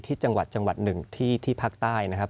ที่จังหวัด๑ที่ภาคใต้นะครับ